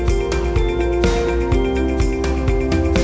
chương trình truyền thông thường